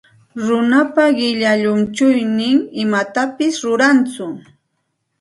Runapa qilla llunchuynin imatapis rurantsu.